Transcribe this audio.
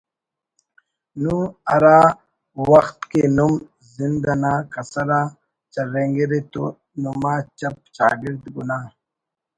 ن ہرا وخت کہ نم زند انا کسر آ چرینگرے تو نما چپ چاگڑد گناہ